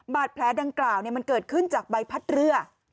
บาดแผลดังกล่าวมันเกิดขึ้นจากใบพัดเรือ